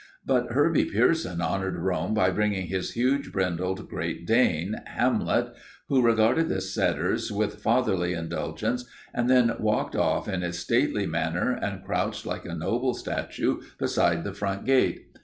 But Herbie Pierson honored Rome by bringing his huge, brindled Great Dane, Hamlet, who regarded the setters with fatherly indulgence and then walked off in his stately manner and crouched like a noble statue beside the front gate.